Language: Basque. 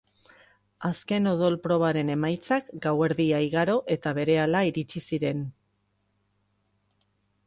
Azken odol-probaren emaitzak gauerdia igaro eta berehala iritsi ziren.